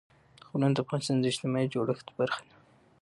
غرونه د افغانستان د اجتماعي جوړښت برخه ده.